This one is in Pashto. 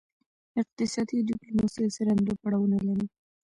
اقتصادي ډیپلوماسي اکثراً دوه پړاوونه لري